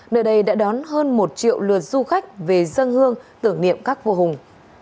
nơi đây đã đón hơn một triệu lượt du khách về dân hương tưởng niệm các vô hùng